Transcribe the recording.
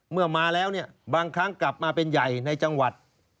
เมื่อมาแล้วเนี่ยบางครั้งกลับมาเป็นใหญ่ในจังหวัด